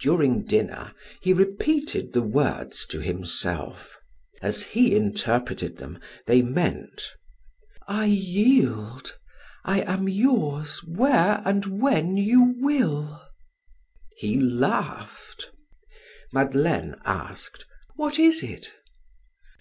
During dinner he repeated the words to himself; as he interpreted them, they meant, "I yield I am yours where and when you will." He laughed. Madeleine asked: "What is it?"